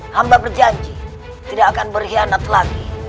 hamba berjanji tidak akan berkhianat lagi